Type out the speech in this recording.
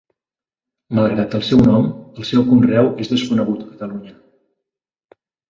Malgrat el seu nom, el seu conreu és desconegut a Catalunya.